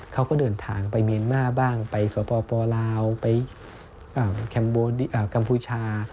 เขาก็เดินทางไปเมียนมาร์บ้างไปสปลาวไปกัมพูชา